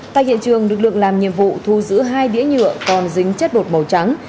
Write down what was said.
tại hiện trường lực lượng làm nhiệm vụ thu giữ hai đĩa nhựa còn dính chất bột màu trắng